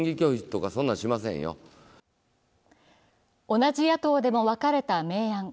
同じ野党でも分かれた明暗。